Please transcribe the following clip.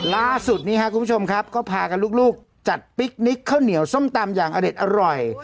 ล่าสุดนี้ครับคุณผู้ชมครับก็พากันลูกจัดปิ๊กนิกข้าวเหนียวส้มตำอย่างอเด็ดอร่อย